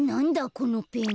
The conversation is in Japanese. このペン。